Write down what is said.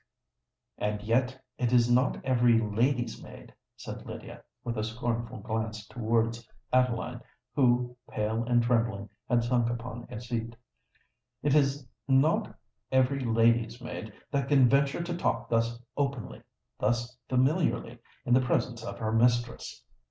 "And yet it is not every lady's maid," said Lydia, with a scornful glance towards Adeline, who, pale and trembling, had sunk upon a seat,—"it is not every lady's maid that can venture to talk thus openly—thus familiarly in the presence of her mistress."